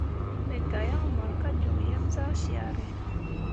Me ga yaŋ mor ka joŋ yeb zah syare.